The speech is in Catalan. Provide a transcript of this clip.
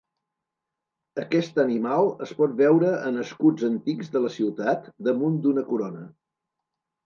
Aquest animal es pot veure en escuts antics de la ciutat damunt d'una corona.